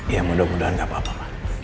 iya mudah mudahan gak apa apa pak